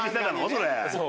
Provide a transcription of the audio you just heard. それ。